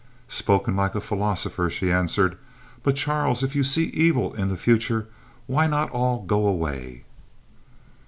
"Spoken like a philosopher," she answered; "but, Charles, if you see evil in the future, why not all go away?"